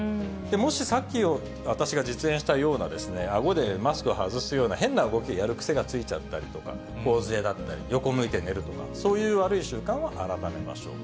もしさっき私が実演したような、あごでマスク外すような変な動きやる癖がついちゃったりとか、ほおづえだったり、横向いて寝るとか、そういう悪い習慣は改めましょう。